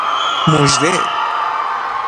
مژده